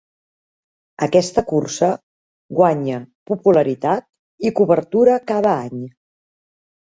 Aquesta cursa guanya popularitat i cobertura cada any.